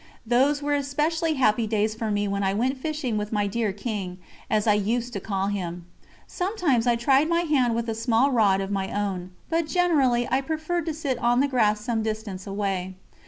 Those were specially happy days for me when I went fishing with my dear "King," as I used to call him. Sometimes I tried my hand with a small rod of my own, but generally I preferred to sit on the grass some distance away.